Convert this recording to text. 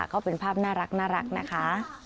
ก็เป็นภาพน่ารักนะคะ